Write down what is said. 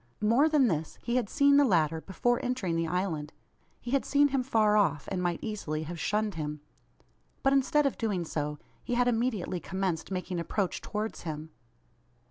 More than this. He had seen the latter before entering the island. He had seen him far off, and might easily have shunned him. But instead of doing so, he had immediately commenced making approach towards him!